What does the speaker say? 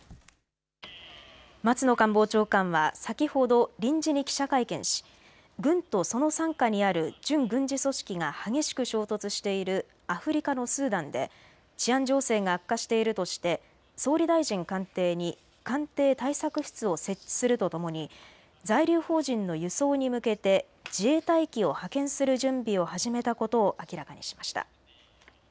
松野官房長官は先ほど臨時に記者会見し軍とその傘下にある準軍事組織が激しく衝突しているアフリカのスーダンで治安情勢が悪化しているとして総理大臣官邸に官邸対策室を設置するとともに在留邦人の輸送に向けて自衛隊機を派遣する準備を始めたことを明らかにしました。